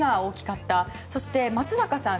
そして、松坂さん